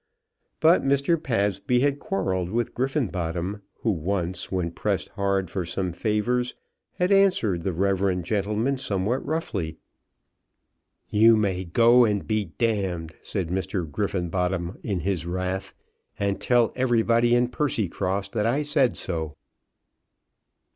But Mr. Pabsby had quarrelled with Griffenbottom, who once, when pressed hard for some favours, had answered the reverend gentleman somewhat roughly. "You may go and be ," said Mr. Griffenbottom in his wrath, "and tell everybody in Percycross that I said so."